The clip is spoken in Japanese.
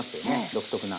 独特な。